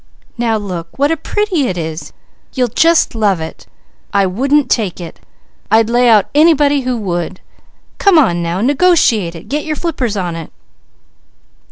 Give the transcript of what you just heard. Now look what a pretty it is! You'll just love it! I wouldn't take it! I'd lay out anybody who would. Come on now! Negotiate it! Get your flippers on it!"